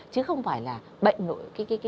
chứ không phải là bệnh nội